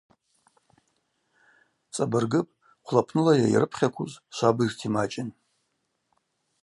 Цӏабыргыпӏ, хъвлапныла йайрыпхьаквуз швабыжта ймачӏын.